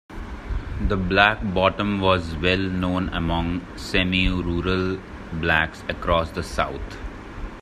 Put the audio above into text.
The black bottom was well known among semirural blacks across the South.